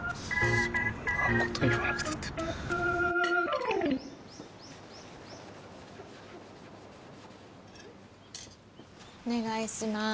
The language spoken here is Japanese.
そんなこと言わなくたってお願いします